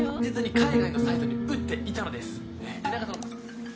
海外のサイトに売っていたのです。